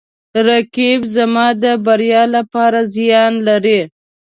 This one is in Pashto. رقیب زما د بریا لپاره زیان لري